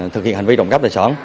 thực hiện hành vi trộm cắp tại sởn